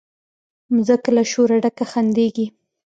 مځکه له شوره ډکه خندیږي